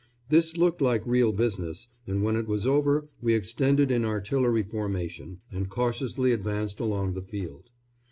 This looked like real business, and when it was over we extended in artillery formation, and cautiously advanced along the field.